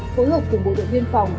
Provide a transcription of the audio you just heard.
phối hợp cùng bộ đội viên phòng